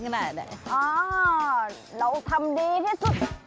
เอ้อแล้วทำดีที่สุด